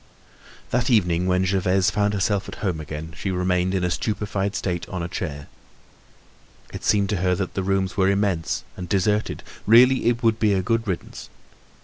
That evening when Gervaise found herself at home again, she remained in a stupefied state on a chair. It seemed to her that the rooms were immense and deserted. Really, it would be a good riddance.